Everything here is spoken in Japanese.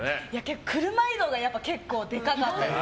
車移動が結構、デカかったです。